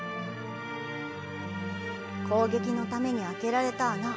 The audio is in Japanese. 攻撃のために開けられた穴。